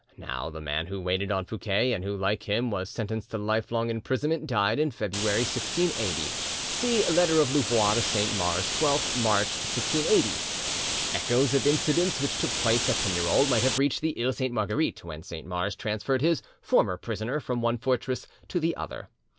Now the man who waited on Fouquet, and who like him was sentenced to lifelong imprisonment, died in February 1680 (see letter of Louvois to Saint Mars, 12th March 1680). Echoes of incidents which took place at Pignerol might have reached the Iles Sainte Marguerite when Saint Mars transferred his "former prisoner" from one fortress to the other.